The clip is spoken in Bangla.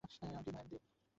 আপনি কী মায়ানদি?